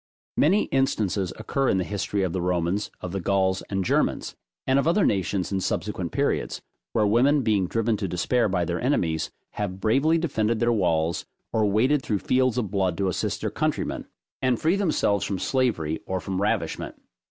Many instances occur in the history of the Romans of the Gauls and Germans, and of other nations in subsequent periods; where women being driven to despair by their enemies, have bravely defended their walls, or waded through fields of blood to assist their countrymen, and free themselves from slavery or from ravishment.